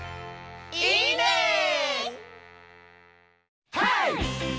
「いいねー！」。